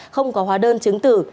không có hóa đơn chứng tử